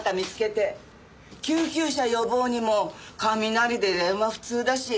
救急車呼ぼうにも雷で電話不通だし。